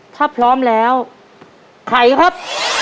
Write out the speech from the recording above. ถ้าพร้อมแล้วไข่ครับ